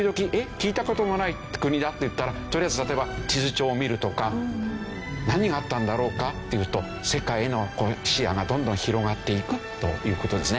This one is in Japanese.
聞いた事がない国だ」っていったらとりあえず例えば地図帳を見るとか「何があったんだろうか？」っていうと世界への視野がどんどん広がっていくという事ですね。